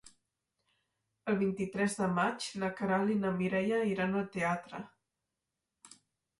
El vint-i-tres de maig na Queralt i na Mireia iran al teatre.